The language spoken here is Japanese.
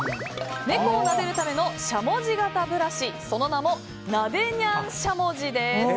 猫をなでるためのしゃもじ型ブラシその名もなで猫しゃもじです。